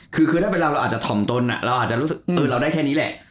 คือถ้าเป็นเราเราอาจจะถ่อมตนเราอาจจะรู้สึกเราได้แค่นี้แหละ